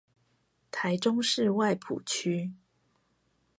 臺中市外埔區